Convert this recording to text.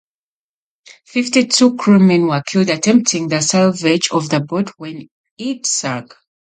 Fifty-two crewmen were killed attempting the salvage of the boat when it sank.